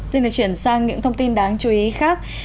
xin được chuyển sang những thông tin đáng chú ý khác